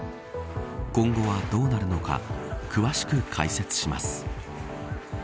今後はどうなるのか詳しく解説します。